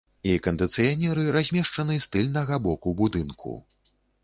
І кандыцыянеры размешчаны з тыльнага боку будынку.